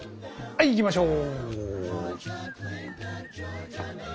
はいいきましょう！